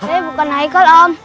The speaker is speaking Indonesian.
eh bukan haikal om